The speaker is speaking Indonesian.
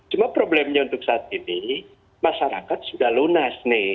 cuma masyarakat sudah melunas